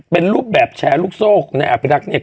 เป็นรูปแบบแชร์ลูกโซ่ของนายอภิรักษ์เนี่ย